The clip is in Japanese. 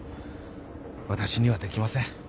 私にはできません